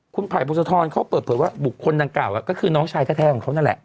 คุณไผ่บุษธรเขาเปิดเผยว่าบุคคลดังกล่าวก็คือน้องชายแท้ของเขานั่นแหละ